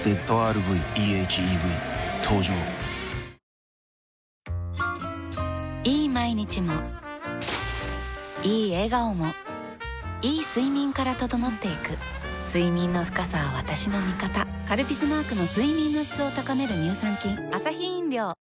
さらにいい毎日もいい笑顔もいい睡眠から整っていく睡眠の深さは私の味方「カルピス」マークの睡眠の質を高める乳酸菌